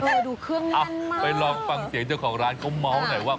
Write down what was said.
ไปดูเครื่องนี้ไปลองฟังเสียงเจ้าของร้านเขาเมาส์หน่อยว่า